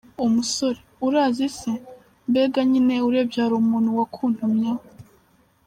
Umusore : Urazi se ? mbega, nyine, urebye hari umuntu wakuntumyeho,.